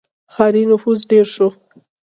• ښاري نفوس ډېر شو.